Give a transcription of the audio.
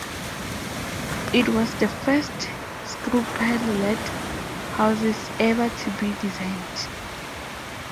It was the first screwpile lighthouses ever to be designed.